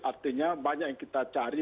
artinya banyak yang kita cari